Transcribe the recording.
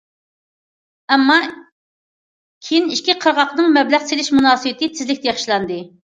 ئەمما كېيىن ئىككى قىرغاقنىڭ مەبلەغ سېلىش مۇناسىۋىتى تېزلىكتە ياخشىلاندى.